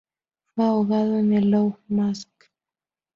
Fue ahogado en el Lough Mask.